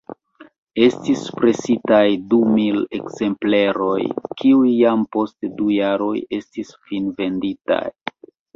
Estis presitaj dumil ekzempleroj, kiuj jam post du jaroj estis finvenditaj.